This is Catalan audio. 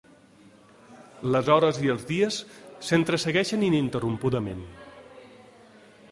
Les hores i els dies s'entresegueixen ininterrompudament.